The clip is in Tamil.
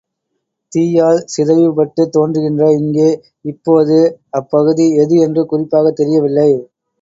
தீயால் சிதைவுபட்டுத் தோன்றுகின்ற இங்கே, இப்போது அப் பகுதி எது என்று குறிப்பாகத் தெரியவில்லை.